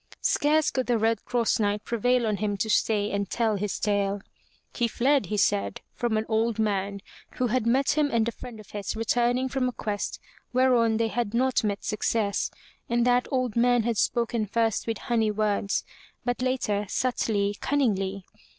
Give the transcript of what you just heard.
Scarce could the Red Cross Knight prevail on him to stay and tell his tale. He fled, he said, from an old man who had met him and a friend of his returning from a quest whereon they had not met success, and that old man had spoken first with honey words, but later subtly, cunningly.